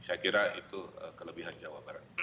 saya kira itu kelebihan jawa barat